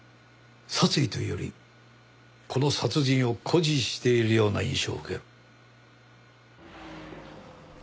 殺意というよりこの殺人を誇示しているような印象を受ける。